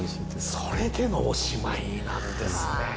それでの「おしまい」になるんですね。